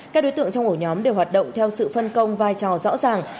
các đối tượng trong ổ nhóm đều hoạt động theo sự phân công vai trò rõ ràng